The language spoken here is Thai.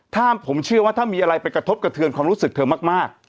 ถ้าผมเชื่อว่าถ้ามีอะไรไปกระทบกระเทือนความรู้สึกเธอมาก